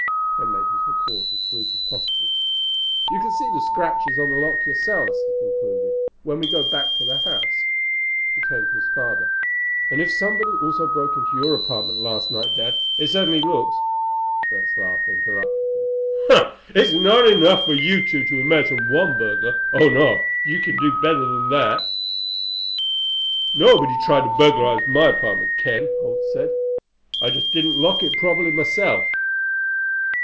Ken made his report as brief as possible. "You can see the scratches on the lock yourselves," he concluded, "when we go back to the house." He turned to his father. "And if somebody also broke into your apartment last night, Dad, it certainly looks—" Bert's laugh interrupted him. "It's not enough for you two to imagine one burglar. Oh, no—you can do better than that." "Nobody tried to burglarize my apartment, Ken," Holt said. "I just didn't lock it properly myself."